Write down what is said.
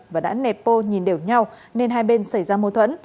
và đã nẹp bô nhìn đều nhau nên hai bên xảy ra mâu thuẫn